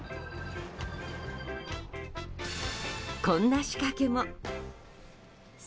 こんな仕掛けも。